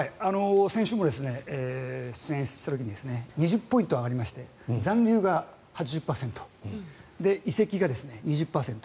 先週も出演した時に２０ポイント上がりまして残留が８０％移籍が２０％。